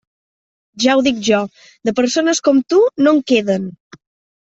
Ja ho dic jo; de persones com tu, no en queden.